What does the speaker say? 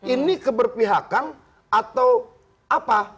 ini keberpihakan atau apa